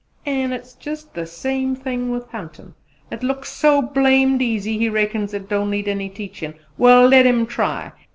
"An' it's jus' the same 'ith huntin'! It looks so blamed easy he reckons it don't need any teachin'. Well, let him try!